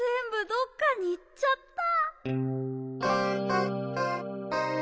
どっかにいっちゃった。